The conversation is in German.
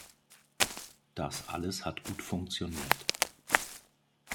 Das alles hat gut funktioniert.